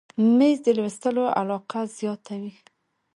مېز د لوستلو علاقه زیاته وي.